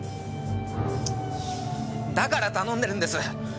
だから頼んでるんです！